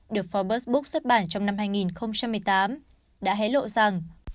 được forbes book xuất bản trong năm hai nghìn một mươi tám đã hé lộ rằng